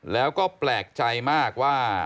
แล้วก็แปลกใจมากว่า